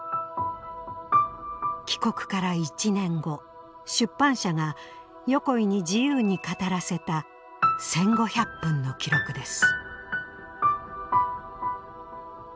帰国から１年後出版社が横井に自由に語らせた１，５００分の記録です。